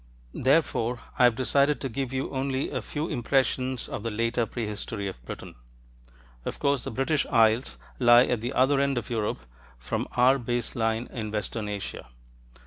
Therefore, I have decided to give you only a few impressions of the later prehistory of Britain. Of course the British Isles lie at the other end of Europe from our base line in western Asia.